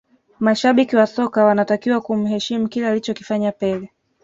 mashabiki wa soka wanatakiwa kumheshimu kile alichokifanya pele